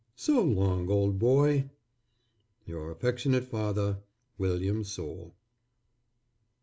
So long old boy. Your affectionate father, WILLIAM SOULE.